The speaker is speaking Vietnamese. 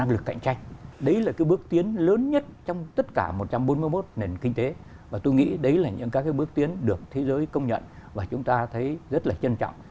đấy là bước tiến lớn nhất trong tất cả một trăm bốn mươi một nền kinh tế và tôi nghĩ đấy là những bước tiến được thế giới công nhận và chúng ta thấy rất là trân trọng